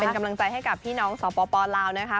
เป็นกำลังใจให้กับพี่น้องสปลาวนะคะ